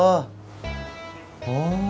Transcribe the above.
jangan bercanda lo